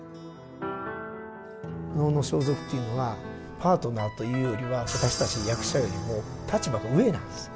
能の装束というのはパートナーというよりは私たち役者よりも立場が上なんです。